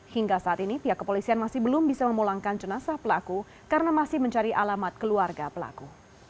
hingga saat ini pihak kepolisian masih belum bisa memulangkan jenazah pelaku karena masih mencari alamat keluarga pelaku